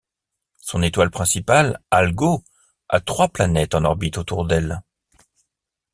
Son étoile principale, Algo, a trois planètes en orbite autour d'elle.